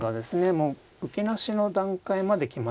もう受けなしの段階まで来ましたね。